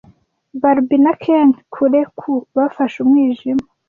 Barbie na Ken, kuri cue, bafashe umwijima,